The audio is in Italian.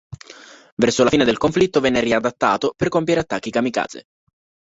Verso la fine del conflitto venne riadattato per compiere attacchi kamikaze.